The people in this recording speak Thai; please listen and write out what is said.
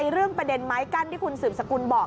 เรื่องประเด็นไม้กั้นที่คุณสืบสกุลบอก